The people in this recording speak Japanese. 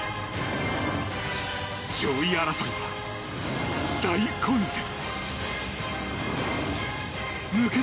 上位争いは大混戦。